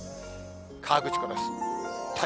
河口湖です。